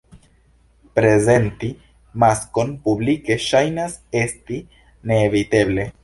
Prezenti maskon publike ŝajnas esti neeviteble.